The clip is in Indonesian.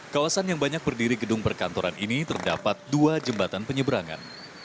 kawasan yang banyak berdiri gedung perkantoran ini terdapat dua jembatan penyeberangan